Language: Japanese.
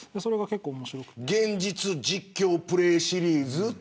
現実実況プレイシリーズ。